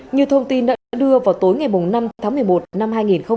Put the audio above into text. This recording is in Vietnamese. nhiều thông tin đã đưa vào tối ngày năm tháng một mươi một năm hai nghìn hai mươi